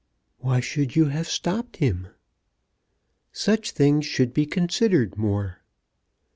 "Why should you have stopped him?" "Such things should be considered more."